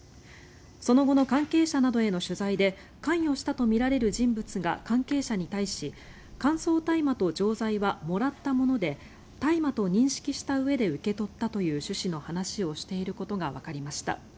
その後の関係者などへの取材で関与したとみられる人物が関係者に対し乾燥大麻と錠剤はもらったもので大麻と認識したうえで受け取ったという趣旨の話をしていることがわかりました。